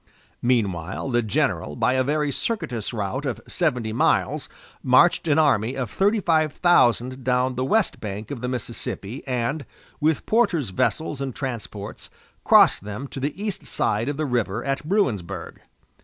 Meanwhile, the general, by a very circuitous route of seventy miles, marched an army of thirty five thousand down the west bank of the Mississippi and, with Porter's vessels and transports, crossed them to the east side of the river at Bruinsburg.